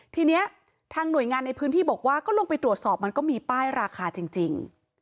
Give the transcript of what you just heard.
ทีนี้ทางหน่วยงานในพื้นที่บอกว่าก็ลงไปตรวจสอบมันก็มีป้ายราคาจริง